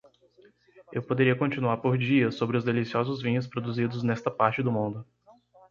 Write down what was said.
Eu poderia continuar por dias sobre os deliciosos vinhos produzidos nesta parte do mundo.